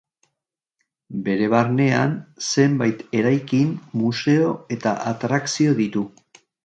Bere barnean, zenbait eraikin, museo eta atrakzio ditu.